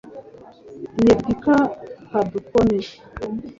deepika padukone